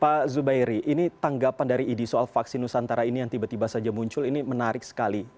pak zubairi ini tanggapan dari idi soal vaksin nusantara ini yang tiba tiba saja muncul ini menarik sekali